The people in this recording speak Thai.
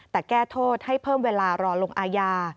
แต่แก้โทษให้เพิ่มเวลารอลงอาญา